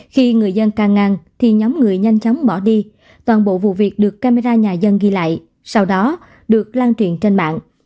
khi người dân can ngăn thì nhóm người nhanh chóng bỏ đi toàn bộ vụ việc được camera nhà dân ghi lại sau đó được lan truyền trên mạng